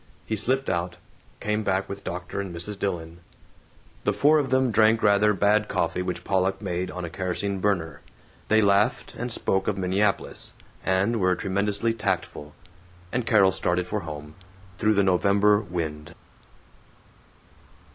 He slipped out, came back with Dr. and Mrs. Dillon. The four of them drank rather bad coffee which Pollock made on a kerosene burner. They laughed, and spoke of Minneapolis, and were tremendously tactful; and Carol started for home, through the November wind.